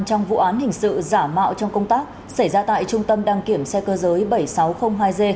trong vụ án hình sự giả mạo trong công tác xảy ra tại trung tâm đăng kiểm xe cơ giới bảy nghìn sáu trăm linh hai g